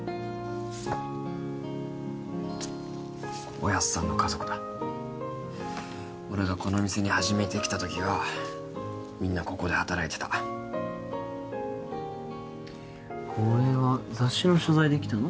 おやっさんの家族だ俺がこの店に初めて来たときはみんなここで働いてたこれは雑誌の取材で来たの？